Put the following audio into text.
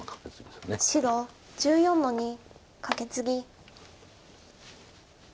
白１４の二カケツギ。